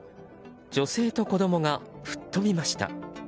女性と子供が吹っ飛びました。